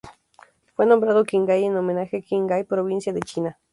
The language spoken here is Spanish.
Fue nombrado Qinghai en homenaje a Qinghai provincia de China.